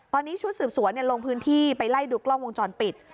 ตอนนี้ชุดสืบสวนลงพื้นที่ไปไล่ดูกล้องวงจรปิด